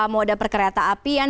mode perkereta apian